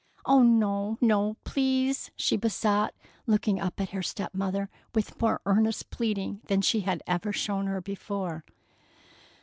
"Oh, no, no, please!" she besought, looking up at her step mother with more earnest pleading than she had ever shown her before.